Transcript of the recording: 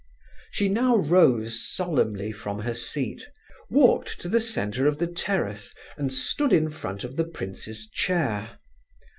She now rose solemnly from her seat, walked to the centre of the terrace, and stood in front of the prince's chair.